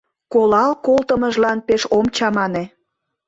Колал колтымыжлан пеш ом чамане